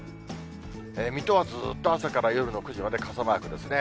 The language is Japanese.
水戸はずーっと朝から夜の９時まで傘マークですね。